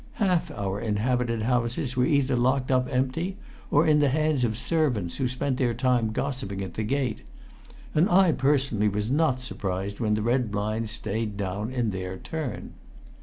Half our inhabited houses were either locked up empty, or in the hands of servants who spent their time gossiping at the gate. And I personally was not surprised when the red blinds stayed down in their turn.